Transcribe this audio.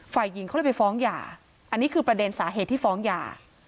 ฝ่ายหญิงเขาเลยไปฟ้องหย่าอันนี้คือประเด็นสาเหตุที่ฟ้องหย่า